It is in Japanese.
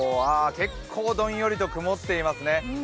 結構どんよりと曇っていますね。